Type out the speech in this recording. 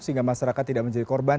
sehingga masyarakat tidak menjadi korban